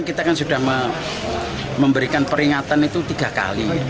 kita kan sudah memberikan peringatan itu tiga kali